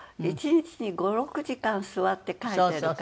一日に５６時間座って書いてるから。